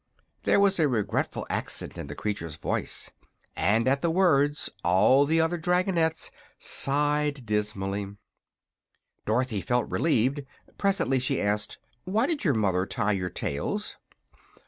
There was a regretful accent in the creature's voice, and at the words all the other dragonettes sighed dismally. Dorothy felt relieved. Presently she asked: "Why did your mother tie your tails?"